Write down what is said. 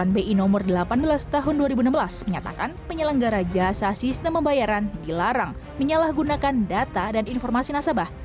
bi no delapan belas tahun dua ribu enam belas menyatakan penyelenggara jasa sistem pembayaran dilarang menyalahgunakan data dan informasi nasabah